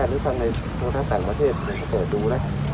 หรือทางโทษศักดิ์ประเทศมันก็เกิดดูแล้ว